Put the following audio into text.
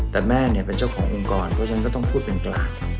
แต่แม่เป็นเจ้าขององค์กรเพราะฉะนั้นก็ต้องพูดเป็นกลาง